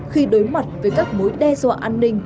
khi đối mặt với các mối đe dọa an ninh